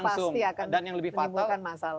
pasti akan menyebabkan masalah